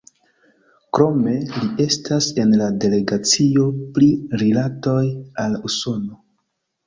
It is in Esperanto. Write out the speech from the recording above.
Krome li estas en la delegacio pri rilatoj al Usono.